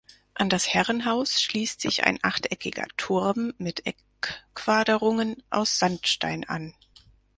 An das Herrenhaus schließt sich ein achteckiger Turm mit Eckquaderungen aus Sandstein an.